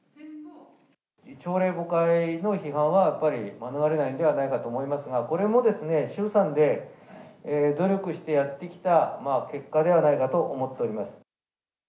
朝令暮改の批判はやっぱり免れないんではないかと思われますが、これも衆参で努力してやってきた結果ではないかと思っております。